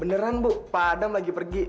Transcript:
beneran bu pak adam lagi pergi